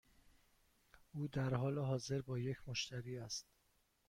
او در حال حاضر با یک مشتری است.